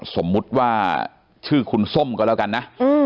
สมมุติว่าชื่อคุณส้มก็แล้วกันนะ